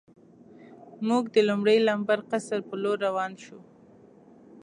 موږ د لومړي لمبر قصر په لور روان شو.